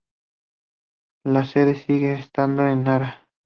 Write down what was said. La sede sigue estando en Nara.